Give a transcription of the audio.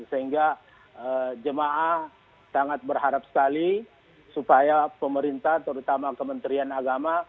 sehingga jemaah sangat berharap sekali supaya pemerintah terutama kementerian agama